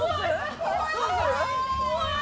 怖い！